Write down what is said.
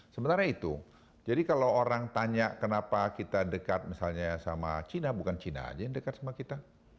sementara itu jadi kalau orang tanya kenapa kita dekat misalnya sama cina bukan cina aja yang dekat sama kita